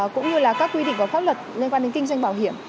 cũng như là các quy định của pháp luật liên quan đến kinh doanh bảo hiểm